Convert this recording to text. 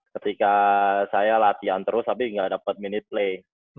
ketika saya latihan terus tapi nggak dapet minute play